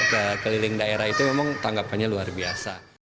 ke keliling daerah itu memang tanggapannya luar biasa